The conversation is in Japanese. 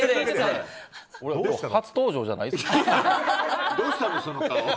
俺、初登場じゃないですよ。